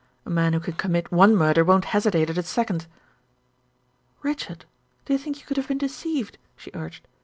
A man who can commit one murder won't hesitate at a second." "Richard, do you think you could have been deceived?" she urged.